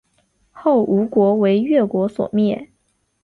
后吴国为越国所灭。